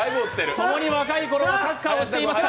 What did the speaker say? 共に若い頃はサッカーをしていました。